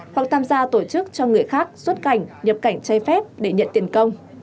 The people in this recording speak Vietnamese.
hoặc tham gia tổ chức cho người khác xuất cảnh nhập cảnh trai phép để nhận tiền công